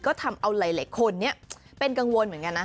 ก็ทำเอาหลายคนเป็นกังวลเหมือนกันนะ